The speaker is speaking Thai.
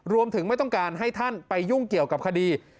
ไม่ต้องการให้ท่านไปยุ่งเกี่ยวกับคดี